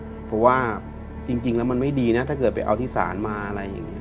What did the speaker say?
เพราะว่าจริงแล้วมันไม่ดีนะถ้าเกิดไปเอาที่ศาลมาอะไรอย่างนี้